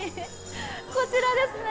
こちらですね。